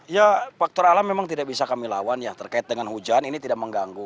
ya faktor alam memang tidak bisa kami lawan ya terkait dengan hujan ini tidak mengganggu